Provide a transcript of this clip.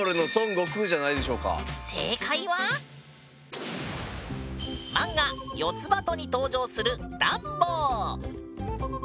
正解は漫画「よつばと！」に登場するダンボー！